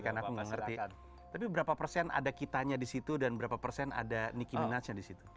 karena aku nggak ngerti tapi berapa persen ada kitanya disitu dan berapa persen ada nicki minajnya disitu